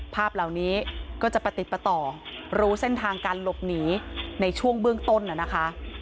ภาพเหล่านี้ก็จะประติดประต่อรู้เส้นทางการหลบหนีในช่วงเบื้องต้นนะคะ